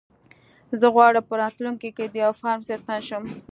زه غواړم په راتلونکي کې د يو فارم څښتن شم.